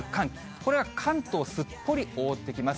これが関東すっぽり覆ってきます。